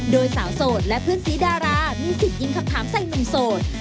โดยสาวโสดและเพื่อนสีดารามีสิทธิ์ยิงคำถามใส่หนุ่มโสด